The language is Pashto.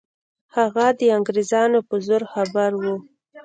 هغه د انګریزانو په زور خبر وو.